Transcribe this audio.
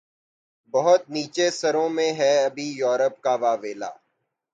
بہت نیچے سروں میں ہے ابھی یورپ کا واویلا